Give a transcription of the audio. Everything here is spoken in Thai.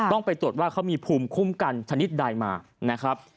ต้องไปตรวจว่าเขามีภูมิคุ้มกันฉะนิดใดมา